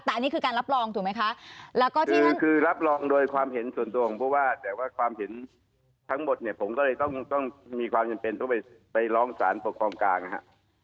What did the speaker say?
แต่อันนี้คือการรับรองถูกไหมคะแล้วก็คือคือรับรองโดยความเห็นส่วนตัวของผู้ว่าแต่ว่าความเห็นทั้งหมดเนี่ยผมก็เลยต้องมีความจำเป็นต้องไปร้องสารปกครองกลางนะฮะ